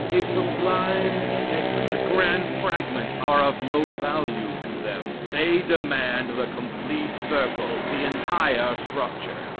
A sublime segment, a grand fragment, are of no value to them. They demand the complete circle the entire structure.